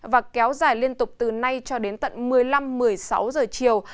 và kéo dài liên tục từ nay cho đến tận một mươi năm một mươi sáu giờ chiều